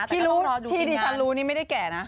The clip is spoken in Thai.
ที่รู้ที่ดิฉันรู้นี่ไม่ได้แก่นะ